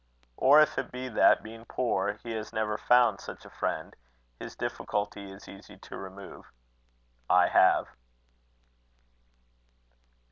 Or if it be that, being poor, he has never found such a friend; his difficulty is easy to remove: I have.